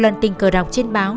để giúp anh thọ